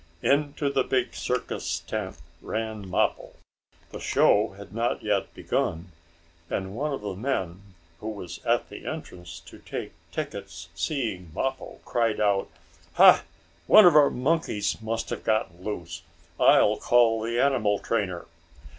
Into the big circus tent ran Mappo. The show had not yet begun, and one of the men who was at the entrance to take tickets seeing Mappo, cried out: "Ha! One of our monkeys must have gotten loose. I will call the animal trainer."